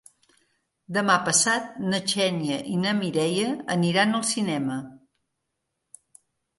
Demà passat na Xènia i na Mireia aniran al cinema.